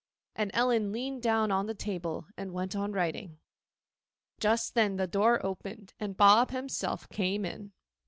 And Ellen leaned down on the table, and went on writing. Just then the door opened, and Bob himself came in.